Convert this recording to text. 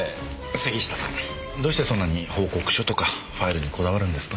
杉下さんどうしてそんなに報告書とかファイルにこだわるんですか？